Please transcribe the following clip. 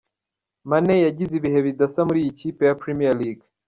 Mane yagize ibihe bidasa muri iyi kipe ya Premier League.